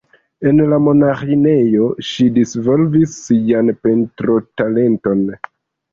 En la monaĥinejo ŝi disvolvis sian pentrotalenton.